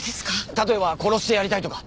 例えば殺してやりたいとか。